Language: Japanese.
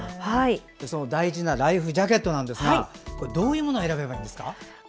その大事なライフジャケットどういうものを選べばいいですか？